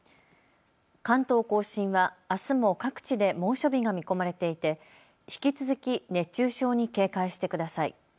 関東甲信はあすも各地で猛暑日が見込まれていて引き続き熱中症に警戒してください。